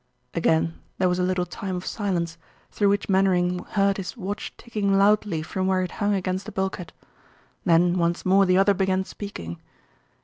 Again there was a little time of silence, through which Mainwaring heard his watch ticking loudly from where it hung against the bulkhead. Then once more the other began speaking.